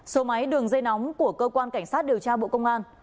số máy đường dây nóng của cơ quan cảnh sát điều tra bộ công an